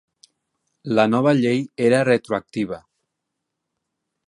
La nova llei era retroactiva.